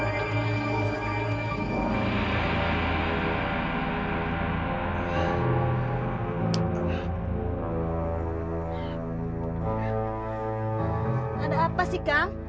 ada apa sih kang